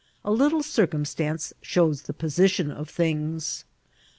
A little circumstuice shows the position of things.